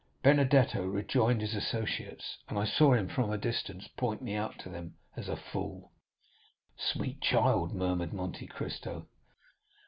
Benedetto rejoined his associates, and I saw him from a distance point me out to them as a fool." "Sweet child," murmured Monte Cristo.